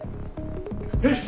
よし。